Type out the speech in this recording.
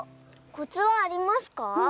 コツはありますか？